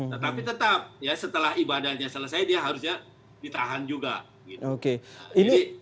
tetapi tetap ya setelah ibadahnya selesai dia harusnya ditahan juga gitu